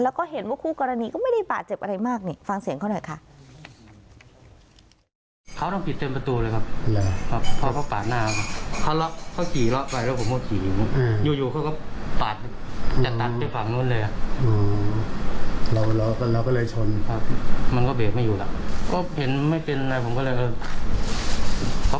แล้วก็เห็นว่าคู่กรณีก็ไม่ได้บาดเจ็บอะไรมากนี่ฟังเสียงเขาหน่อยค่ะ